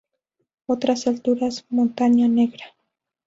Otras alturas "Montaña Negra".